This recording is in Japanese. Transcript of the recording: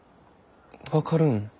分かるん？